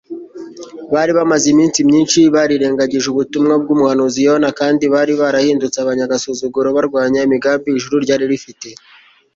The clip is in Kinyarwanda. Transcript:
bari bamaze iminsi myinshi barirengagije ubutumwa bw'umuhanuzi yona kandi bari barahindutse abanyagasuzuguro barwanya imigambi ijuru ryari rifite